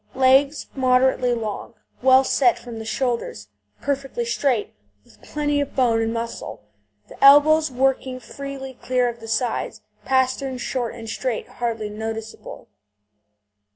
Legs moderately long, well set from the shoulders, perfectly straight, with plenty of bone and muscle; the elbows working freely clear of the sides; pasterns short and straight, hardly noticeable.